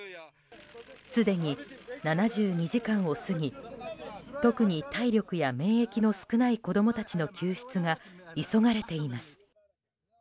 すでに７２時間を過ぎ特に体力や免疫の少ない子供たちの救出が急がれています。